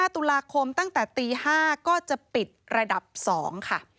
ตุลาคมตั้งแต่ตี๕ก็จะปิดระดับ๒ค่ะ